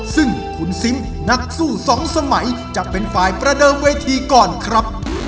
ซึ่งคุณซิมนักสู้สองสมัยจะเป็นฝ่ายประเดิมเวทีก่อนครับ